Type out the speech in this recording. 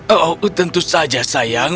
oh tentu saja sayang